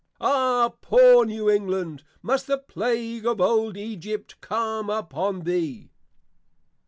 Ah, Poor New England! Must the plague of Old Ægypt come upon thee?